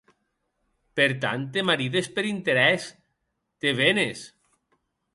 Per tant, te marides per interès, te venes.